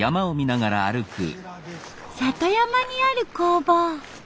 里山にある工房。